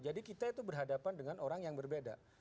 jadi kita itu berhadapan dengan orang yang berbeda